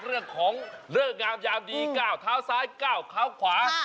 เรื่องของเรื่องงามยามดีก้าวเท้าซ้ายก้าวขาวขวา